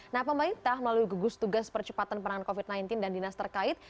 nah pembaik tah melalui gegus tugas percepatan perangan covid sembilan belas dan dinas terkait